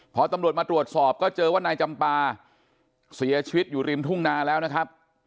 พอตำรวจมาตรวจสอบก็เจอว่านายจำปาเสียชีวิตอยู่ริมทุ่งนาแล้วนะครับ